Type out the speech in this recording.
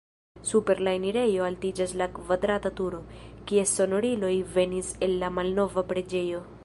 Super la enirejo altiĝas la kvadrata turo, kies sonoriloj venis el la malnova preĝejo.